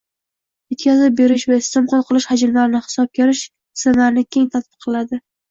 yetkazib berish va iste’mol qilish hajmlarini hisobga olish tizimlarini keng tatbiq qiladi;